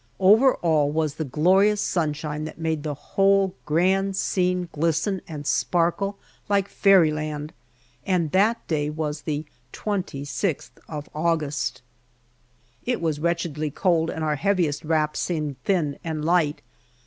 Over all was the glorious sunshine that made the whole grand scene glisten and sparkle like fairyland. And that day was the twenty sixth of August! It was wretchedly cold, and our heaviest wraps seemed thin and light.